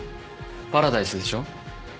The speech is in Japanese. パラダイスでしょ？